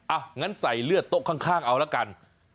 งั้นใส่เลือดโต๊ะข้างเอาละกัน